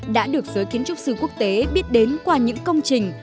đã được giới kiến trúc sư quốc tế biết đến qua những công trình